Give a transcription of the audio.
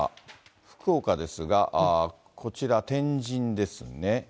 福岡ですが、こちら、天神ですね。